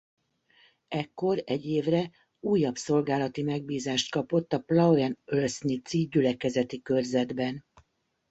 Ekkor egy évre újabb szolgálati megbízást kapott a Plauen-oelsnitz-i gyülekezeti körzetben.